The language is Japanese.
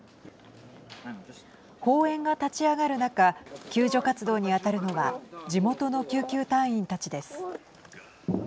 砲煙が立ち上がる中救助活動に当たるのは地元の救急隊員たちです。